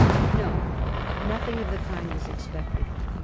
No ; nothing of the kind was expected.